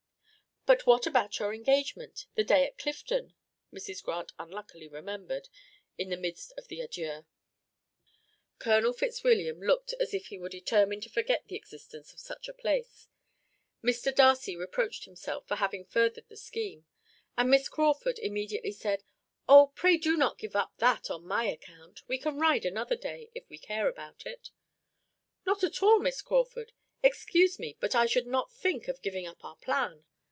"But what about your engagement the day at Clifton?" Mrs. Grant unluckily remembered, in the midst of the adieux. Colonel Fitzwilliam looked as if he were determined to forget the existence of such a place; Mr. Darcy reproached himself for having furthered the scheme; and Miss Crawford immediately said: "Oh, pray do not give that up on my account. We can ride another day, if we care about it." "Not at all, Miss Crawford. Excuse me, but I should not think of giving up our plan.